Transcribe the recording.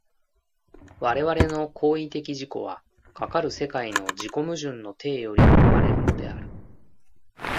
我々の行為的自己は、かかる世界の自己矛盾の底より生まれるのである。